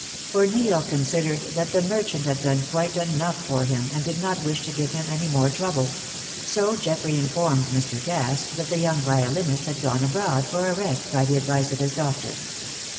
For Neil considered that the merchant had done quite enough for him and did not wish to give him any more trouble; so Geoffrey informed Mr. Cass that the young violinist had gone abroad for a rest by the advice of his doctor.